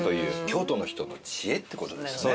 京都の人の知恵って事ですね。